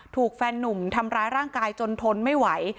ถูกแฟนหนุ่มทำร้ายร่างกายจนทนไม่ไหว